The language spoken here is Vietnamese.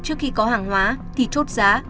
trước khi có hàng hóa thì chốt giá